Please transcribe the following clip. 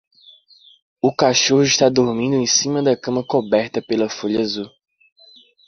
O cachorro está dormindo em cima da cama coberta pela folha azul.